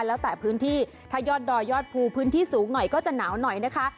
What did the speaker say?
แล้วแต่พื้นที่ถ้ายอดดอยยอดภูพื้นที่สูงหน่อยก็จะหนาวหน่อยนะคะ